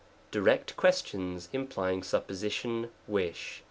Direct questions, implying supposition, wish.